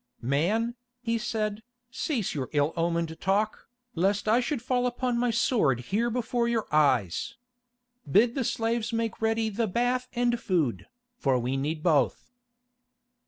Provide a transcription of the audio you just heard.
"Man," he said, "cease your ill omened talk, lest I should fall upon my sword here before your eyes. Bid the slaves make ready the bath and food, for we need both."